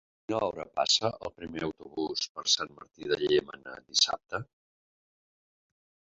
A quina hora passa el primer autobús per Sant Martí de Llémena dissabte?